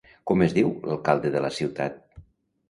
Com es diu l'alcalde de la ciutat?